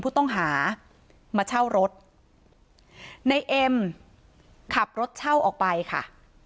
ผู้ต้องหามาเช่ารถในเอ็มขับรถเช่าออกไปค่ะ